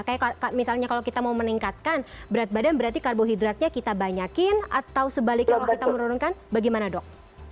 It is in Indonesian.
kayak misalnya kalau kita mau meningkatkan berat badan berarti karbohidratnya kita banyakin atau sebaliknya kalau kita menurunkan bagaimana dok